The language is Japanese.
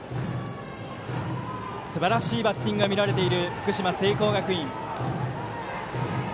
すばらしいバッティングが見られている福島・聖光学院。